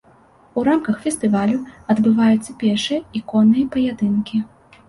У рамках фестывалю адбываюцца пешыя і конныя паядынкі.